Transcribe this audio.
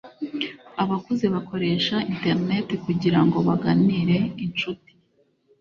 abakuze bakoresha interineti kugira ngo baganire incuti.